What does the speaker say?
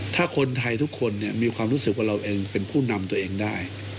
ถ้าคนไทยทุกคนมีความรู้สึกว่าเราเองเป็นผู้นำตัวเองได้